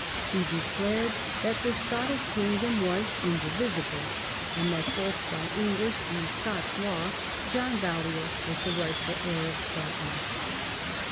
He declared that the Scottish kingdom was indivisible, and that, both by English and Scots law, John Balliol was the rightful heir of Scotland.